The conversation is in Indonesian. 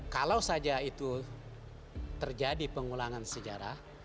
kalau saja itu terjadi pengulangan sejarah